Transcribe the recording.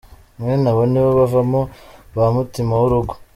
Mwene abo nibo bavamo ba mutima w’urugo.